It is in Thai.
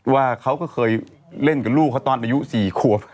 ว่าเขาก็เคยเล่นกับลูกเขาตอนอายุ๔ขวบ